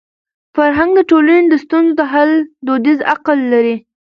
فرهنګ د ټولني د ستونزو د حل دودیز عقل لري.